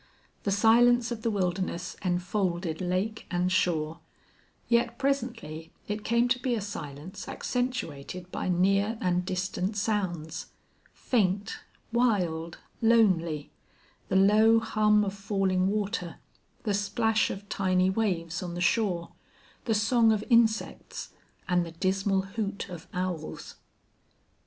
The silence of the wilderness enfolded lake and shore; yet presently it came to be a silence accentuated by near and distant sounds, faint, wild, lonely the low hum of falling water, the splash of tiny waves on the shore, the song of insects, and the dismal hoot of owls.